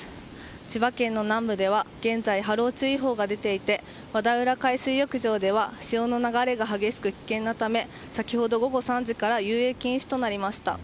千葉県の南部では現在波浪注意報が出ていて和田浦海水浴場では潮の流れが激しく危険なため先ほど、午後３時から遊泳禁止となりました。